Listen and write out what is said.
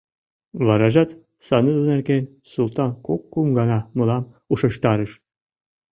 Варажат Сану нерген Султан кок-кум гана мылам ушештарыш.